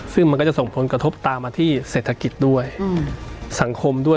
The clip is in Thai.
ซึ่งมันก็จะส่งผลกระทบตามมาที่เศรษฐกิจด้วยสังคมด้วย